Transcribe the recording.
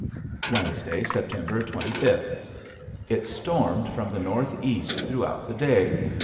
Wednesday, September twenty fifth. It stormed from the northeast throughout the day.